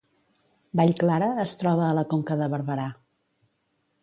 Vallclara es troba a la Conca de Barberà